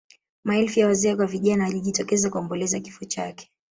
maelfu ya wazee kwa vijana walijitokeza kuomboleza kifo chake